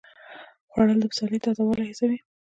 خوړل د پسرلي تازه والی حسوي